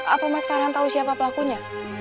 apa mas farhan tahu siapa pelakunya